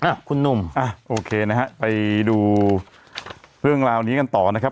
อ่ะคุณหนุ่มอ่ะโอเคนะฮะไปดูเรื่องราวนี้กันต่อนะครับ